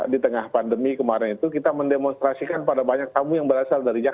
di tengah pandemi kemarin itu kita mendemonstrasikan pada banyak tamu yang berasal dari jakarta